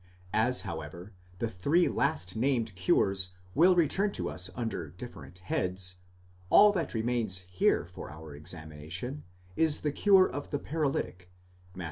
As however the three last named cures will return to us under different heads, all that remains here for our examination is the cure of the paralytic Matt.